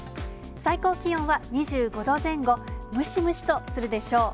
最高気温は２５度前後、ムシムシとするでしょう。